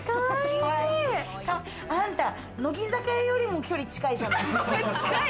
あんた、乃木坂よりも距離近いじゃん。